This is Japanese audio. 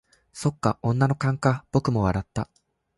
「そっか、女の勘か」僕も笑った。